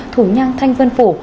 thủ nhang thanh vân phủ